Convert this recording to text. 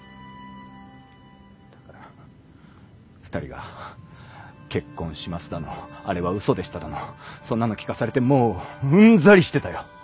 だから２人が「結婚します」だの「あれは嘘でした」だのそんなの聞かされてもううんざりしてたよ。